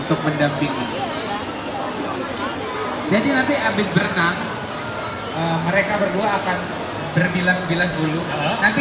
untuk mendampingi jadi rati habis bernang mereka berdua akan bermilas bilas dulu nanti